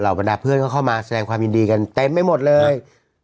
บรรดาเพื่อนก็เข้ามาแสดงความยินดีกันเต็มไปหมดเลย